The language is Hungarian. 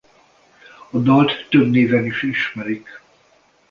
A dalt több néven is ismerik.